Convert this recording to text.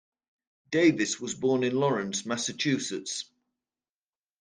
Davis was born in Lawrence, Massachusetts.